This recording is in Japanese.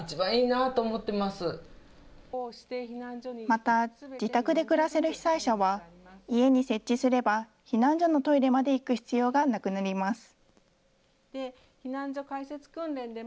また、自宅で暮らせる被災者は、家に設置すれば避難所のトイレまで行く必要がなくなります。